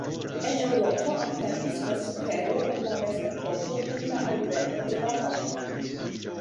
En Eŭropo aperis la sukero en la Mezepoko kun la alveno de la maŭroj.